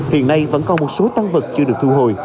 hiện nay vẫn còn một số tăng vật chưa được thu hồi